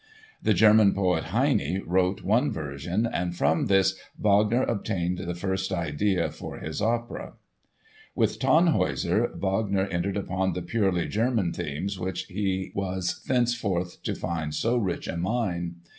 The German poet, Heine, wrote one version, and from this Wagner obtained the first idea for his opera. With "Tannhäuser," Wagner entered upon the purely German themes which he was thenceforth to find so rich a mine.